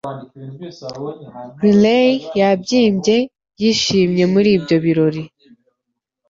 Riley yabyimbye yishimye muri ibyo birori